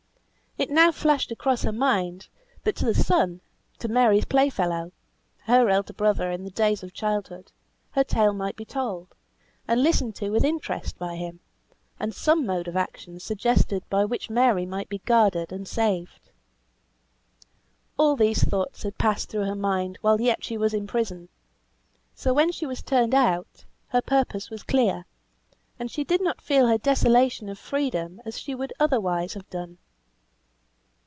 It now flashed across her mind, that to the son, to Mary's play fellow, her elder brother in the days of childhood, her tale might be told, and listened to with interest, and some mode of action suggested by him by which Mary might be guarded and saved. All these thoughts had passed through her mind while yet she was in prison; so when she was turned out, her purpose was clear, and she did not feel her desolation of freedom as she would otherwise have done.